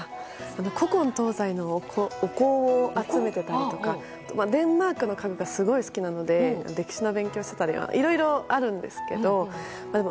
古今東西のお香を集めていたりデンマークの家具がすごい好きなので歴史の勉強をしてたりいろいろあるんですけれども。